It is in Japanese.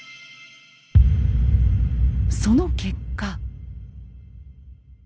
その結果。